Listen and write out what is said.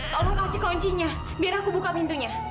tolong kasih kuncinya biar aku buka pintunya